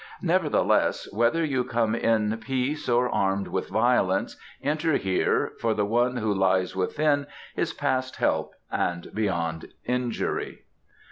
Nevertheless, whether you come in peace or armed with violence, enter here, for the one who lies within is past help and beyond injury."